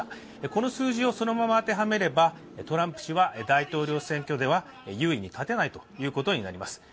この数字をそのまま当てはめればトランプ氏は大統領選挙では優位に立てないということになります。